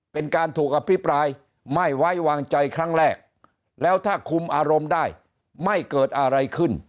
เป็นการถูกอภิปรายไม่ไว้วางใจครั้งแรกแล้วถ้าคุมอารมณ์ได้ไม่เกิดอะไรขึ้น